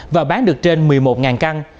và bán đồ sơ cấp